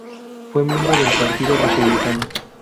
Fue miembro del Partido Republicano.